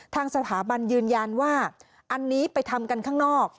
ทางสถาบันยืนยันว่าอันนี้ไปทำกันข้างนอก